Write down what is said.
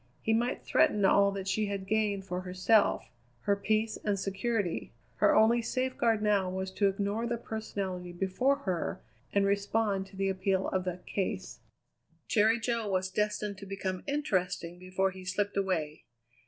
He might threaten all that she had gained for herself her peace and security. Her only safeguard now was to ignore the personality before her and respond to the appeal of the "case." Jerry Jo was destined to become interesting before he slipped away.